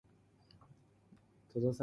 楽しんできてね